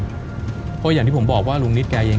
เพราะอย่างที่ผมบอกว่าลุงนิดแกเอง